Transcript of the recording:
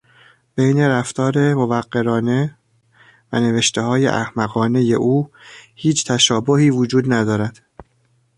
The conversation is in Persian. بین رفتار موقرانه و نوشتههای احمقانهی او هیچ تشابهی وجود ندارد.